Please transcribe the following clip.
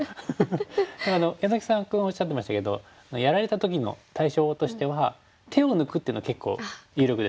柳澤さんおっしゃってましたけどやられた時の対処法としては手を抜くっていうのは結構有力ですね。